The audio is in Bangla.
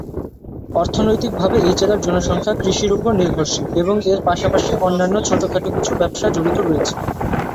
অর্থনৈতিকভাবে এই জেলার জনসংখ্যা কৃষির উপর নির্ভরশীল এবং এর পাশাপাশি অন্যান্য ছোট খাটো কিছু ব্যবসা জড়িত রয়েছে।